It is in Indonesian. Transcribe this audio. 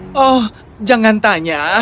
oh oh jangan tanya